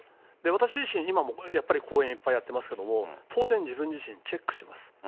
私自身、今もやっぱり講演いっぱいやってますけれども、当然、自分自身チェックします。